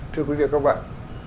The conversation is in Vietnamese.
thưa quý vị các bạn